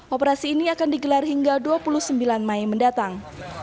operasi ini akan digelar hingga dua puluh sembilan mei mendatang